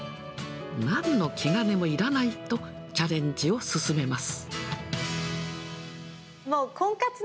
なんの気兼ねもいらないと、チャレンジを勧めます。